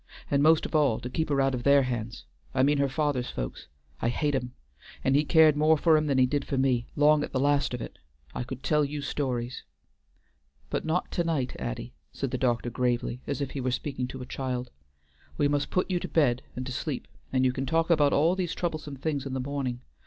And most of all to keep her out of their hands, I mean her father's folks. I hate 'em, and he cared more for 'em than he did for me, long at the last of it.... I could tell you stories!" "But not to night, Addy," said the doctor gravely, as if he were speaking to a child. "We must put you to bed and to sleep, and you can talk about all these troublesome things in the morning.